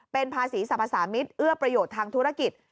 เป็นภาษีสรรพสามิตรเอื้อประโยชน์ทางธุรกิจ